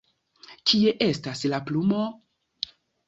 Kie estas la plumo?